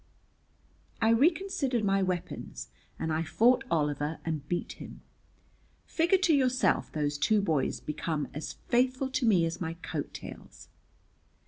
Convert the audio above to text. I reconsidered my weapons, and I fought Oliver and beat him. Figure to yourself those two boys become as faithful to me as my coat tails.